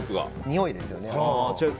においですよね。